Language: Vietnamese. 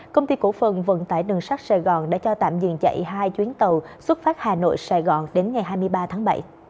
công ty cổ phần vận tải đường sắt sài gòn đã cho tạm dừng chạy hai chuyến tàu xuất phát hà nội sài gòn đến ngày hai mươi ba tháng bảy